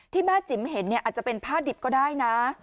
ที่แม่จิ๋มเห็นอาจจะเป็นผ้าดิบก็ได้นะ